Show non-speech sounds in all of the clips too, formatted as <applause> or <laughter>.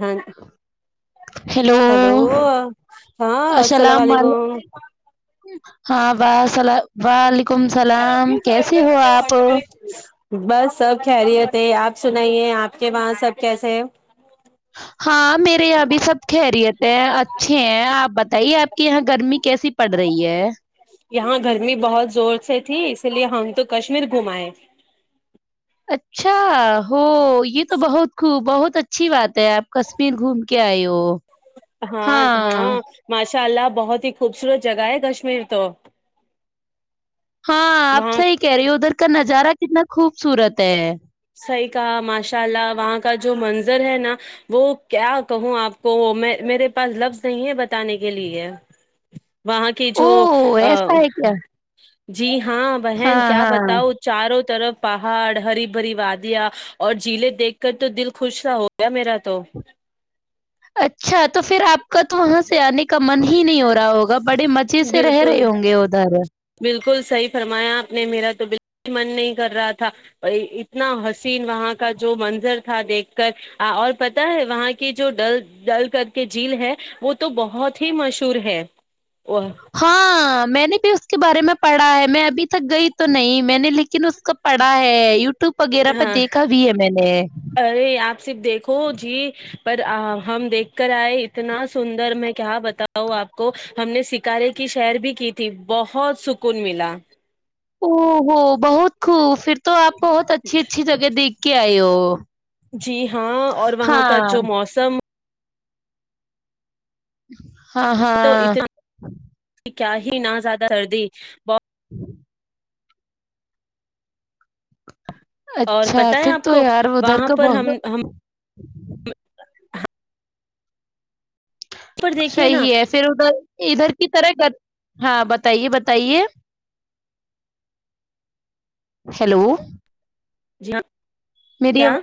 ہاں hello hello ہاں السلام علیکم ہاں بسلا وعلیکم اللام کیسے ہو آپ <unintelligible> بس سب خہریتے آپ سنائیے آپ کے وہاں سب کیسے ہے <unintelligible> ہاں <unintelligible> میرے یہاں بھی سب خیریت ہے اچھے ہیں آپ ب <unintelligible> بتائیے آپ کے یہاں گرمی کیسی پڑ رہی ہے <unintelligible> یہاں گرمی بہت زور سے تھی اسی لیے ہم تو کشمیر گھمائے <unintelligible> اچھا ہو یہ تو بہت خوب بہت اچھی بات ہے آپ کشمیر گھوم کے آئے ہو <unintelligible> ہاں ہاں مش <unintelligible> ان شاء اللہ بہت ہی خوبصورت جگہ ہے کشمیر تو <unintelligible> ہاں آپ وہاں صحیح کہہ رہی ہو ادھر <unintelligible> اس کا نظارہ کتنا خوبصورت ہے <unintelligible> صحی کہا ماشاء اللہ وہاں کا جو منظر ہے نا وہ کیا کہوں آپ کو میں میرے پاس لفظ نہیں ہے بتانے کے لیے <unintelligible> وہاں کی جو او ایسا ہے کیا <unintelligible> جی ہاں بہن ہاں کیا ہاں بتاؤ چاروں <unintelligible> طرف پہاڑ ہری <unintelligible> بری وا دیا اور جیلے دیکھ کر تو دل خوش سا ہو گیا میرا تو <unintelligible> اچھا تو پھر آپ کا تو وہاں سے آنے کے <unintelligible> کا من ہی نہیں ہو رہا ہوگا بڑے مچے سے رہ بالکل رہے ہوں گے ادھر <unintelligible> بالکل صحیح فرمایا آپ نے میرا تو من نہیں کر رہا تھا اتنا حسین وہاں کا جو منظر تھا دیکھ کر اور پتا ہے وہاں کی جو ڈل ڈل کر کے جھیل ہے وہ تو بہت ت ہی مشہور ہے <unintelligible> <unintelligible> اس کے بارے میں پڑھا ہے میں ابھی <unintelligible> تک گئی تو نہیں میں نے لکھ ن اس کو پڑا ہے یو ٹیوب وغیرہ پہ ہاں دیکھا بھی ہے میں نے ارے آپ صرف دیکھو جی پر ہم دیکھ کر آئے اتنا سندر میں کیا بتاؤں آپ کو ہم نے سکارے کی شہر بھی کی تھی بہت سکون ملا او ہوو بہت خوبھر تو آپ بہت اچھی اچھی جگہ دیکھ کے آئے ہو ہاں جی ہاں اور وہاں کا جو موسم ہ ہاں تو ہاں اتنا کیا ہی نہ زیادہ سردی ب ہوں اور اچھا پتہ ہے پھر آپ تو کو یار ادھر وہاں کا پر بت ہم ہم پر دیکھیے نا صحی ہے پھر ادھر ادھر کی طرح ہاں بتائیے بتائیے ہیلو جی میری کیا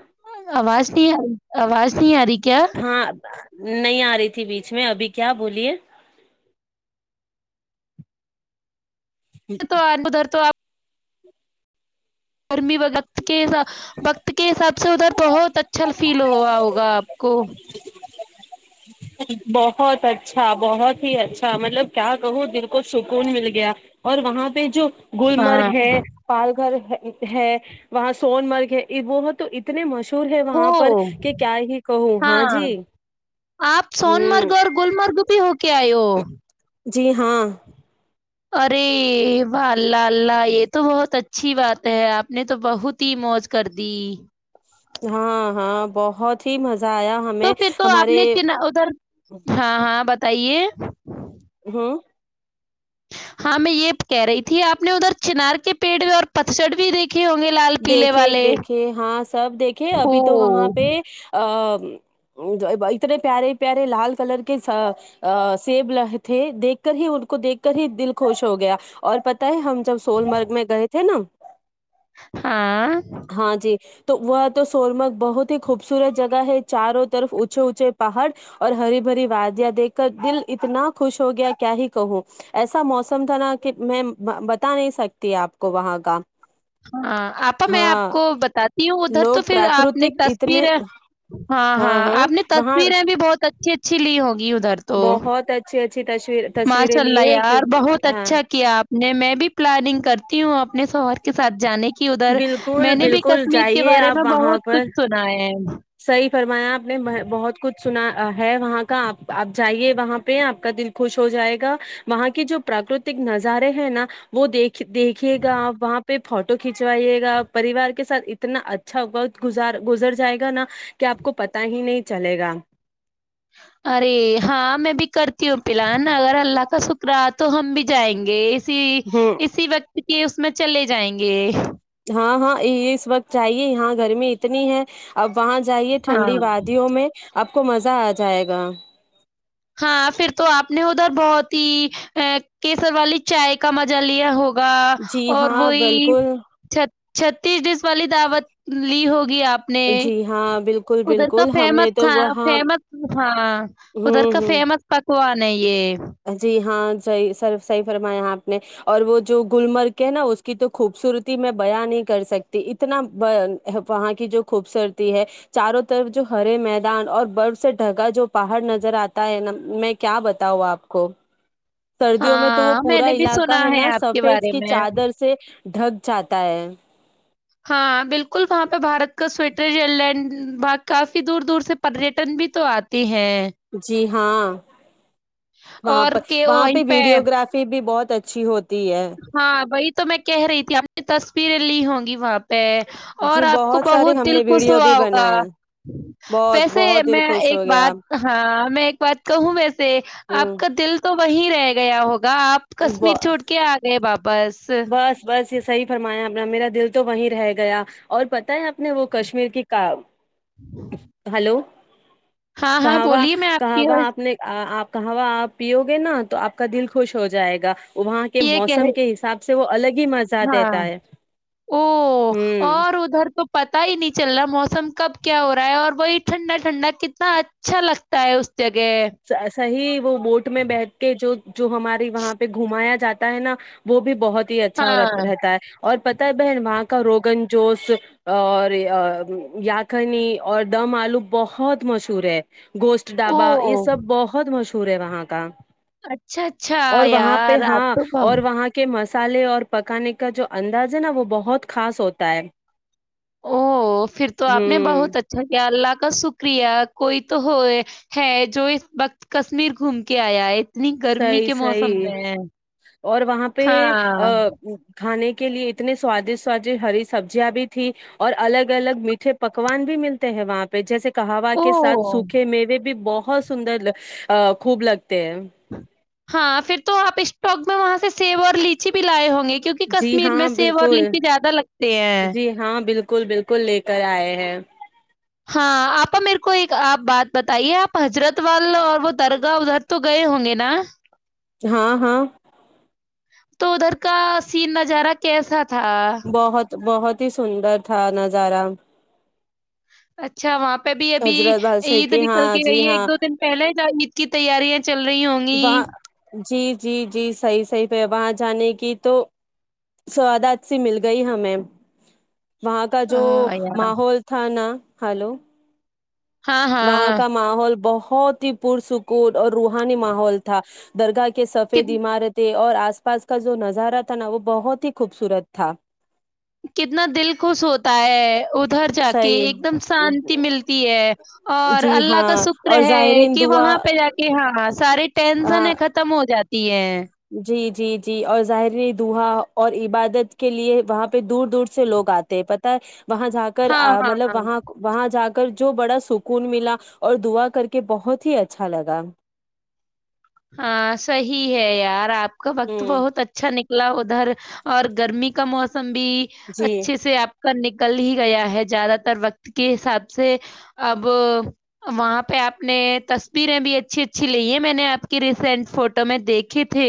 آواز نہیں آ آواز نہیں آ رہی کیا ہاں نہیں آ رہی تھی بیچ میں ابھی کیا بولیے تو ادھر تو آپ ہ بہت اچھا بہت ہی اچھا مطلب کیا کہوں دل کو سکون مل گیا اور وہاں پہ جو ہاں گللمرگ ہے پال گھر ہے ہے وہاں سون مرگ ہے وہ تو اتنے مشور ور ہے ہو وہاں پر کہ کیا ہی کہوں ہاں جی آپ سون ہوں مرگ اور گللمرگ بھی ہوگ کیا آ ہو جی ہاں ارے یہ ب ل ال ل یہ تو بہت اچھی بات ہے آپ نے تو بہت ہی موج کر دی ہاں ہاں بہت ہی مزہ آیا تو ہمیں پھر تو آپ ہمارے نے ادھر ہاں ہاں ب تئی ہاں ہاں میں یہ کہہ رہی تھی آپ نے ادھر چنار کے پیڑ بھی اور پتچھڑ بھی دیکھھی دیکھے دیکھے ہاں سب دیکھے ابھی تو وہاں اوہ! پہ اتنے پیارے پیارے لال کلر کے سیب تھے دیکھ کر ہی ان کو دیکھ کر ہی دل خوش ہو گیا اور پتہ ہے ہم جب سولمرگ میں گئے تھے چ نا ہاں ہاں جی تو وہ تو سورمگ بہت ہی خوبصورت جگہ ہے چاروں طرف اونچے اونچے پہاڑ اور ہری بھری وادیاں دیکھ کر دل اتنا خوش ہو گیا کیا ہی کہوں ایسا موسم تھا نا کہ میں بتا نہیں سکتی آپ کو وہاں کا ہاں آپا میں آپ ہاں کو بتاتی ہوں ادھر لوگ تو پھر آپ نے پراکرتک اتنے تصویریں ہاں ہاں آپ نے تصویریں بھی بہت اچھی اچھی لی ہوںگی ادھر تو بہت اچھی اچھی تصویر تصویریں ماشاء لی اللہ ہے کہ یار بہت ہاں اچھا کیا آپ نے میں بھی پلاننگ کرتی ہوں ا سوہر کے سات جانے کی کہ ادھر میں بالکل نے بھی بالکل کشمیر کے جائیے بارے آپ میں وہاں بہت پر کچھ سنا ہے صحیح فرمایا آپ نے بہت کچھ سنا ہے وہاں کا آپ آپ جائیے وہاں پہ آپ کا دل خوش ہو جائے گا وہاں کی جو پراکرتک نظارے ہے نا وہ دیکھ دیکھیے گاپ وہاں پہ فوٹو کھنچوائیے گا پریوار کے ساتھ اتنا اچھا وقت گزار گزر جائے گا نا کہ آپ کو پتا ہی نہیں چلے گا ارے ہاں میں بھی کرتی ہوں پلان نا اگر اللہ کا شکرا تو ہم بھی جائیں گے ہ اسی و <inaudible> کہ اس میں چلے جائیں گے ہاں ہاں یہ اس وقت چاہیے یہاں گرمی اتنی ہے اب وہاں جائیے ہاں۔ ٹھنڈی وادیوں میں آپ کو مزہ آ جائے گا ہاں پھر تو آپ نے ادھر بہت ہی ا کیسر والی چائے کا مزہ لیا ہوگا جی اور ہاں وہی بالکل <unintelligible> چھتیس ڈیس والی دعوت لی ہو جی ہاں بالکل ادھر کا بالکل ہم فمس نے ک تو وہاں فمس ہاں ادھر ہوں کا ہوں فمس پ <inaudible> جی ہاں <inaudible> صحیح سر صی فرمایا آپ نے اور وہ جو گلمرگ کے نا اس کی تو خوبصورتی میں بیاں نہیں کر سکتی اتنا وہاں کی جو خوبصورتی ہے چاروں طرف جو ہرے میدان اور برف سے ڈھگا جو پہاڑ نظر آتا ہے ن میں کیا بتاؤں آپ کوو <inaudible> سردیوں میں تو وہ ہاں میں پورا نے بھی علاقہ سنا ہے نا آپ کے سفید بارے کی میں چادر سے ڈھک جاتا ہے ہاں بالکل <unintelligible> وہاں پہ بارت کا سویٹر ر لینڈ باگ کافی دور دور سے پریٹن بھی تو آتے ہیں جی ہاں وہاں اور پ کہ وہاں پہ وہیں ویڈیو گرافی بھی بہت اچھی ہوتی ہے ہاں بئی <inaudible> تو میں کہہ رہی تھی آپ نے تصویریں لی ہوں گی وہاں پہ اور جی آپ کو سارے بہت ہم دل نے خوش ویڈیو بھی ہوا ہوگا بنائے بہت ویسے بہت دل میں خوش ایک ہو گیا بات ہاں میں ایک بات کہوں ویسے آپ ہوں کا دل تو وہی رہے گا گیا ہوگا گا آپ کشمیر ب- چھوڑ بابا بس بس یہ صحیح فرمایا میرا دل تو وہیں رہ گیا اور پتا ہے آپ نے وہ کشمیر کی کا ہلو ہاں ہاں کہاںواں بولیے میں کی کہاںواں آپ نے آپ کہوا آپ پیو گے نا تو آپ کا دل خوش ہو جائے گا وہاں کے یہ کہہ رہی موسم کے حساب سے وہ الگ ہی مزہ ہاں دیتا ہے او ہوں اور ادھر تو پتا ہی نہیں چل رہا موسم سم کب کیا ہو رہا ہے اور وہی ٹھنڈا ٹھنڈا کتنا اچھا لگتا ہے جگہ صحی وہ بوٹ میں بیٹھ کے جو جو ہمارے وہاں پہ گھمایا جاتا ہے نا وہ بھی بہت ہی اچھا ہاں رہتا ہے اور پتہ بہن وہاں کا روگن جوش اور یاقنی اور دم آلو بہت مشہور ہے گوشت ڈھابا یہ او سب بہت مشہور سور ہے وہاں کا اچھا اچھا اور وہاں پہ یار آپ ہاں تو اور وہاں کے مسالے اور پکانے کا جو انداز ہے نا وہ بہت خاص ہوتا ہے او پھر تو آپ نے ہوں بہت اچھا کیا اللہ کا کا شکریہ کوئی تو ہو ہے جو اس وقت کشمیر گھوم کے آیا ہے اتنی گرمی صحی کے موسم صیح میں اور وہاں پہ ہاں کھانے کے لیے اتنے سوادشٹ سوادٹ ہری سبزیاں بھی تھی اور الگ الگ میٹھے پکوان بھی ملتے ہیں وہاں پہ جیسے کہاوا کے سھ اوہ سوکھے میوے بھی بھی بہت سندر خوب لگتے ہیں ہاں پھر تو آپ اسٹک میں وہاں سے سیب اور لیچی بھی لائے ہوں گے کیونکہ جی کشمیر میں ہاں سیب اور بالکل لچی زیادہ لگتے ہیں اسکل بالکل لے کر آئے ہیں ہاں آپا میرے کو ایک آپ بات بتائیے آپ حضرت والال اور وہ درگاہ ادھر تو گئے ہوں گے نا ہاں ہاں تو ادھر کا سین نظارہ کیسا تھا بہت بہت اتی سندر تھا نظارہ اچھا وہاں پہ پہ بھی ابھی حضرت بادشاہ عید ہاں نکل کے گئی جی ہے ایک ہاں دو دن پہلے عید کی تیارییا چل رہی ہوں گی وہاں جی جی جی صحیح صحیح پہ وہاں جانے کی تو سواد اچ سھی مل گئی ہمیں وہاں کا آ جو یار ماحول تھا نا ہلو ہاں، وہاں ہاں، کا ماحول بہت بہت ہی پرسکون اور روحانی ماحول تھا درگاہ کے کہ کت سفید عمارتیں اور آس پاس کا جو نظارہ تھا نا وہ بہت ہی خوبصورت تھا کتنا دل خوش ہوتا ہے ادھر جا کے ایک دم صحیح شانتی ملتی ہے اور جی اللہ کا ہاں شکر اور ہے زائرین کہ دعا وہاں پہ جا کے ہاں سارے ٹینشن ہاں ہے ختم ہو جاتا تی ہے جی جی جی اور ظاہری دحا اور عبادت کے لیے وہاں پہ دور دور سے لوگ آتے ہیں پتہ وہاں جا کر ہاں، ہاں، مطلب ہاں۔ وہاں وہاں جا کر جو بڑا سکون ملا اور دعا کر کے بہت ہی اچھا لگا ہاں صی ہے یار آ کا وقت ہوں بہت اچھا نکل لا ادھر اور گرمی کا موسم بھی جی اچھے سے آپ نکل ہی گیا ہے زیادہ تر وقت کے حساب سے اب وہاں پہ آپ نے تصویریں بھی اچھی اچھی لی ہے میں نے آپ ریسینٹ فوٹو میں دیکھے تھے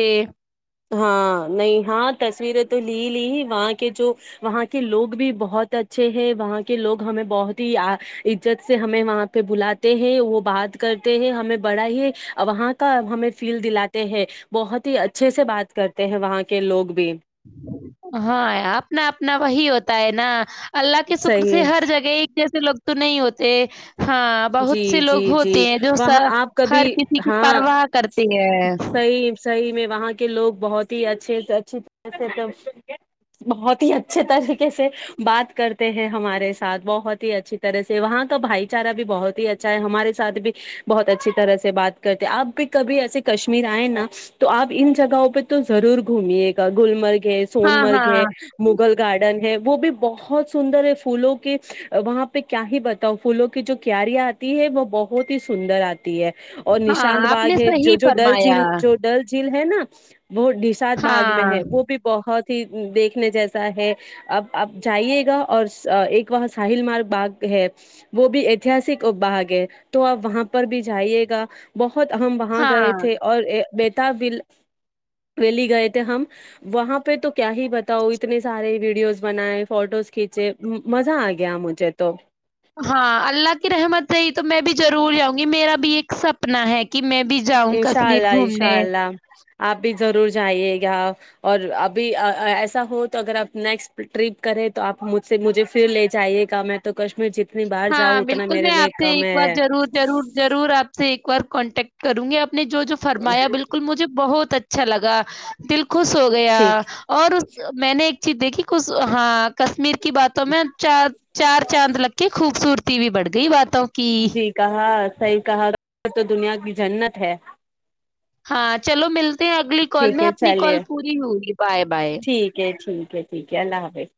ہاں نہیں ہاں تصویریں تو لی لی وہاں کے جو وہاں کے لوگ بھی بہت اچھے ہیں وہاں کے لوگ ہمیں بہت ہی عزت سے ہمیں وہاں پہ بلاتے ہیں وہ بات کرتے ہیں ہمیں بڑا ہی وہاں کا ہمیں فیل دلاتے ہیں بہت ہی اچھا جیسے بات کرتے ہیں وہاں کے لوگ بھی ہاں اپنا اپنا وہی ہوتا ہے نا اللہ کے شکر صحیح سے ہے ہر جگہ ایک جیسے لوگ تو نہیں ہوتے ہاں جی بہت سے جی لوگ جی ہوتے ہیں جو وہاں س- آپ ہر کبھی کسی کی ہاں پرواہ کرتے ہیں صحیح صحیح میں وہاں کے لوگ بہت ہی اچھے سے اچھی طح سے بہت ہی اچھے طریقے سے بات کرتے ہیں ہمارے ساتھ بہت ہی اچھی طرح سے وہاں کا بھائی چارہ بھی بہت ہی اچھا ہے ہمارے سھ بھی بہت اچھی طرح سے بات کرتے آپ بھی کبھی ایسے کشمیر آئے نا تو آپ ان جگہوں پہ تو ضرور گھمیے گا گلمرگ ہے سون ہاں مرگ ہاں ہے مگل گارڈن ہے وہ بھی بہت سندر ہے فھولوں کے وہاں پہ کیا ہی بتاؤ فھولوں کے جو کیارییا آتی ہے وہ بہت ہی سندر آتی ہے اور ہاں نشانت آپ نے باغ ہے جو صحیح جو ڈل فرمایا جھیل جو ڈل جھیل ہے نا جچ وہ ڈساد باغ میں ہاں ہے وہ بھی بہت دیکھنے جیسا ہے اب آپ جائیے گا اور ایک وہاں ساحل مارگ باغ ہے وہ بھی ایتحسک بھاگ ہے تو آپ وہاں پر بھی جائیے گا بت بہت ہم وہاں گئے ہاں تھے اور بی بل ویلی گئے تھے ہم وہاں پہ تو کیا ہی بتاؤ اتنے سارے ویڈیوز بنائے فوٹوز کھینچے مزہ آ گیا مجھے تو ہاں اللہ کی رحمت رہی تو میں بھی ضرور جاؤں گی میرا بھی ایک سپنا ہے کہ میں بھی جاؤں انشاء کشمیر اللہ گھومنے انشاء اللہ آپ بھی ضرور جائیے گا اور ابھی ایسا ہو تو اگر آپ نیکسٹ ٹرپ کریں تو آپ مجھ سے مجھے پھر لے جائیے گا میں تو کشمیر ج ہاں بالکل میں آپ سے ایک بار ضرور ضرور ضرور آپ سے ایک بار کانٹیکٹ کروں گی آ نے جو فرمایا بالکل مجھے بہت اچھا اچھا لگا دلک خوش ہو گیا ٹھیک اور اس میں نے ایک چیز دیکھی ک ہاں کشمیر کی باتوں میں چار چار چاند لگ خوبصورتی بھی بڑھ گئی بات تووکی ہاں سح کہا وہ تو دنیا کی جنت ہے ہاں چلو ملتے ہیں اگلی کال ٹھیک میں ہے اپنی کال چلیے پوری ہوگی بائے بائے اے ٹھیک ہے اللہ حافظ